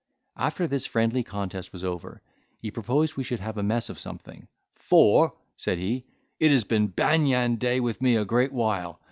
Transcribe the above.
After this friendly contest was over, he proposed we should have a mess of something; "For," said he, "it has been banyan day with me a great while.